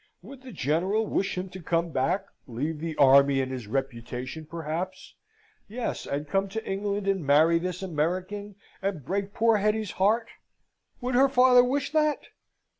Would the General wish him to come back; leave the army and his reputation, perhaps; yes, and come to England and marry this American, and break poor Hetty's heart would her father wish that?